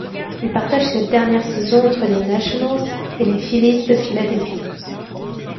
Il partage cette dernière saison entre les Nationals et les Phillies de Philadelphie.